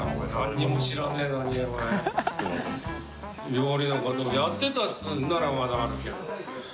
料理のこともやってたっていうんならまだ分かるけど。